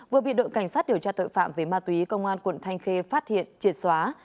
vừa bị đội cảnh sát điều tra tội phạm về ma túy công an quận thanh khê phát hiện triệt xóa